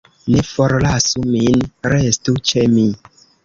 Ne forlasu min, restu ĉe mi!